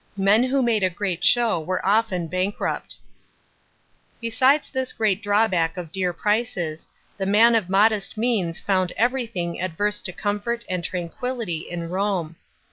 Men who made a great show wen often bankrupt.! I Besides this great drawback of dear prices, the man of modest means found everything advtrse to com ort and tranquillity in l.'ome.